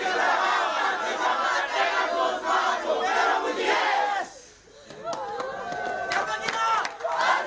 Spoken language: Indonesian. tengah ku semangat ku merahmu jies